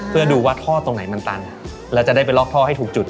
เพื่อดูว่าท่อตรงไหนมันตันแล้วจะได้ไปล็อกท่อให้ถูกจุด